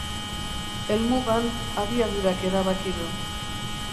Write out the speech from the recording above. Helmugan, abiadurak erabaki du.